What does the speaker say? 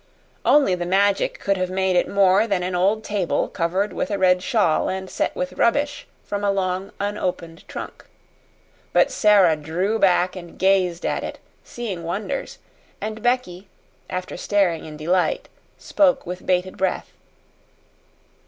Only the Magic could have made it more than an old table covered with a red shawl and set with rubbish from a long unopened trunk. But Sara drew back and gazed at it, seeing wonders; and Becky, after staring in delight, spoke with bated breath.